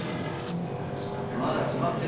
バイトみたいな話になってるわけよ。